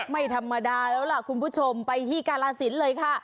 ไม่ธรรมดาแล้วล่ะคุณผู้ชมไปที่กาลสินเลยค่ะ